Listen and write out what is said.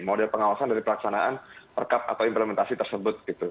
model pengawasan dari pelaksanaan per kap atau implementasi tersebut